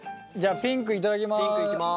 ピンクいきます。